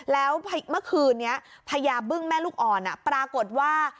แล้วเมื่อคืนนี้พญาบึ้งแม่ลูกอ่อนปรากฏว่า